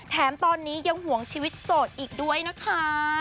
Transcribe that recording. แถมตอนนี้ยังห่วงชีวิตโสดอีกด้วยนะคะ